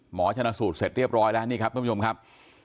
หมอชัณสูตรเสร็จเรียบร้อยแล้วนี่ครับทมยมครับ